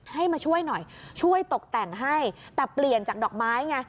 ให้มาช่วยหน่อยช่วยตกแต่งให้แต่เปลี่ยนจากดอกไม้ไง